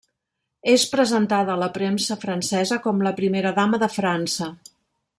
És presentada a la premsa francesa com la primera dama de França.